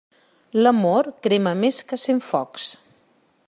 L'amor crema més que cent focs.